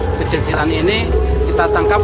dan kejadian ini kita tangkap